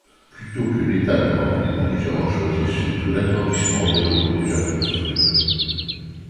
Plutôt que l’étalement, les dirigeants choisissent surtout l’agrandissement de locaux déjà construits.